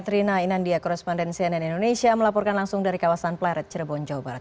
katrina inandia korrespondensi ann indonesia melaporkan langsung dari kawasan plaret cirebon jawa barat